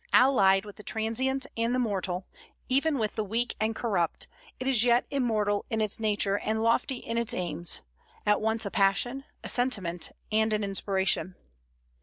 Allied with the transient and the mortal, even with the weak and corrupt, it is yet immortal in its nature and lofty in its aims, at once a passion, a sentiment, and an inspiration.